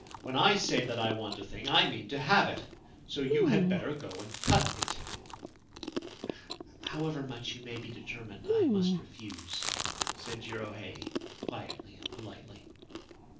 * When I say that I want a thing I mean to have it : so you had better go and cut it.' ' However much you may be determined, I must refuse/ said Jirohei, quietly and politely.